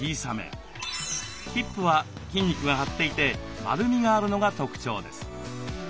ヒップは筋肉が張っていて丸みがあるのが特徴です。